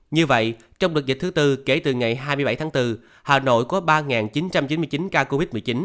như vậy trong đợt dịch thứ tư kể từ ngày hai mươi bảy tháng bốn hà nội có ba chín trăm chín mươi chín ca covid một mươi chín